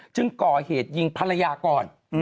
ก่อเหตุยิงภรรยาก่อน